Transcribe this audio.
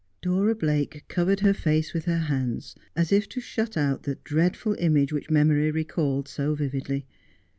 Dora Blake covered her face with her hands, as if to shut out that dreadful image which memory recalled so vividly.